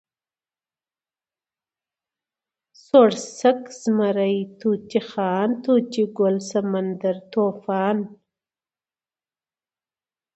سوړسک، زمری، طوطی خان، طوطي ګل، سمندر، طوفان